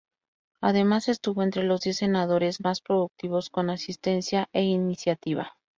Además estuvo entre los diez senadores más productivos con asistencia e iniciativa.